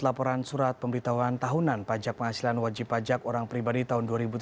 laporan surat pemberitahuan tahunan pajak penghasilan wajib pajak orang pribadi tahun dua ribu tujuh belas